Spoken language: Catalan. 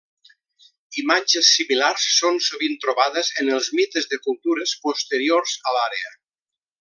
Imatges similars són sovint trobades en els mites de cultures posteriors a l'àrea.